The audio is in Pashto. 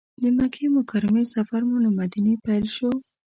د مکې مکرمې سفر مو له مدینې پیل شو.